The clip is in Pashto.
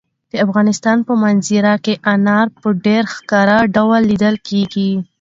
د افغانستان په منظره کې انار په ډېر ښکاره ډول لیدل کېږي.